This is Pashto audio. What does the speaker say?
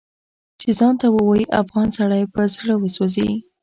چې ځان ته ووايي افغان سړی په زړه وسوځي